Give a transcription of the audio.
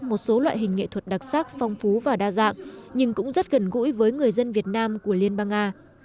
một số loại hình nghệ thuật đặc sắc phong phú và đa dạng nhưng cũng rất gần gũi với người dân việt nam của liên bang nga